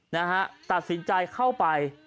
นะฮะตัดสินใจเข้าไป